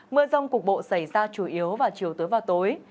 mưa rông cục bộ xảy ra chủ yếu vào chiều tối và tối